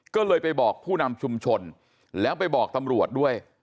ก็เลยไปบอกผู้นำชุมชนแล้วไปบอกตำรวจด้วย